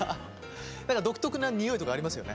何か独特なにおいとかありますよね。